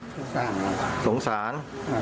สงสารครับสงสาร